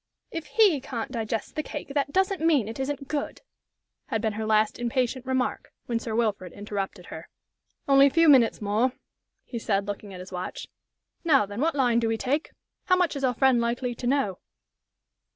"If he can't digest the cake, that doesn't mean it isn't good," had been her last impatient remark, when Sir Wilfrid interrupted her. "Only a few minutes more," he said, looking at his watch. "Now, then, what line do we take? How much is our friend likely to know?"